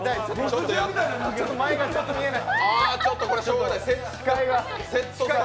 前がちょっと見えない。